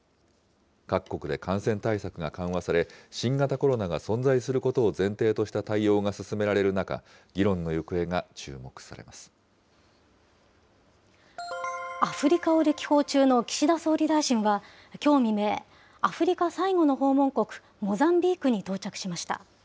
各国で感染対策が緩和され、新型コロナが存在することを前提とした対応が進められる中、議論アフリカを歴訪中の岸田総理大臣はきょう未明、アフリカ最後の訪問国、モザンビークに到着しました。